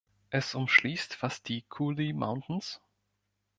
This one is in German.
Es umschließt fast die Cooley Mountains.